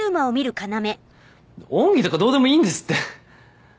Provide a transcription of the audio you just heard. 恩義とかどうでもいいんですって。